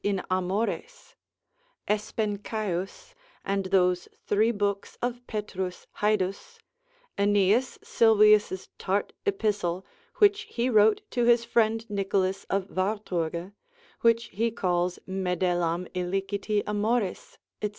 in Amores, Espencaeus, and those three books of Pet. Haedus de contem. amoribus, Aeneas Sylvius' tart Epistle, which he wrote to his friend Nicholas of Warthurge, which he calls medelam illiciti amoris &c.